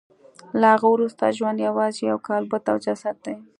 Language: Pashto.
له هغه وروسته ژوند یوازې یو کالبد او جسد دی